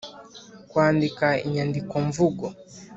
kwandika inyandikomvugo